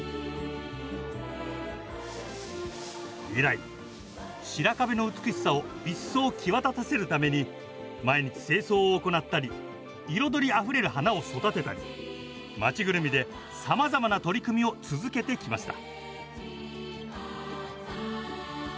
以来白壁の美しさをいっそう際立たせるために毎日清掃を行ったり彩りあふれる花を育てたり街ぐるみでさまざまな取り組みを続けてきました。